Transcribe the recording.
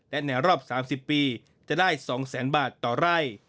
และในรอบ๓๐ปีจะได้๒แสนบาทต่อไร่